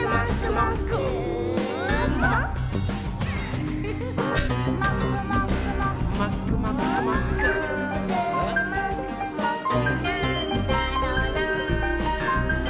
「もーくもくもくなんだろなぁ」